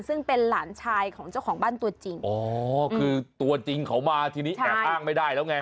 ซึ่งเป็นหลานชายของเจ้าของบ้านตัวจริงอ๋อคือตัวจริงเขามาทีนี้แอบอ้างไม่ได้แล้วไง